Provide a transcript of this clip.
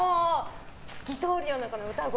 透き通るような歌声。